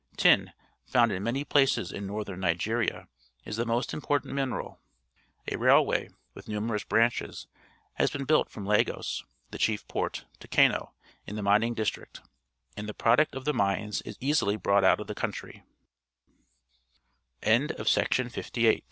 Tin, found in many places in Northern Nigeria, is the most important mineral. A railway, with numerous branches, has been built from Lagos, the chief pf)rt, to Kano, in the mining district, and the product of the mines is easily brought o